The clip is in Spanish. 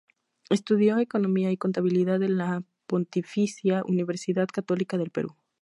Estudió economía y contabilidad en la Pontificia Universidad Católica del Perú.